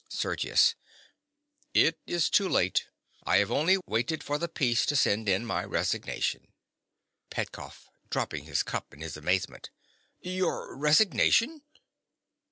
SERGIUS. It is too late. I have only waited for the peace to send in my resignation. PETKOFF. (dropping his cup in his amazement). Your resignation!